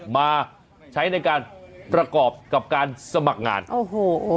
มาใช้ในการประกอบกับการสมัครงานโอ้โห